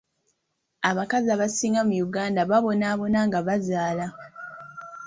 Abakazi abasinga mu Uganda babonaabona nga bazaala.